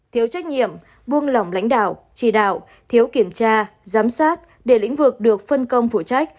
thiếu trách nhiệm buông lỏng lãnh đạo trì đạo thiếu kiểm tra giám sát để lĩnh vực được phân công phụ trách